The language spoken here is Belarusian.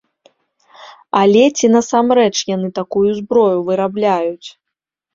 Але ці насамрэч яны такую зброю вырабляюць?